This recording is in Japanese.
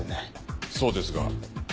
そうですが。